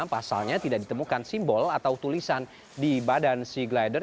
pasalnya tidak ditemukan simbol atau tulisan di badan sea glider